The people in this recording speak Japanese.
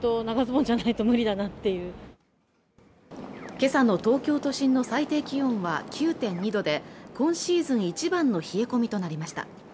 今朝の東京都心の最低気温は９．２度で今シーズン一番の冷え込みとなりました